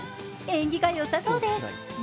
縁起がよさそうです。